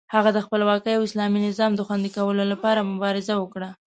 هغه د خپلواکۍ او اسلامي نظام د خوندي کولو لپاره مبارزه وکړه.